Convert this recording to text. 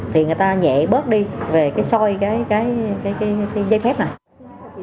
thì người ta nhẹ bớt đi về cái soi cái giấy phép này